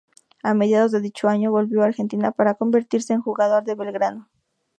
A mediados de dicho año volvió a Argentina para convertirse en jugador de Belgrano.